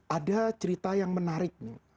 ada cerita yang menarik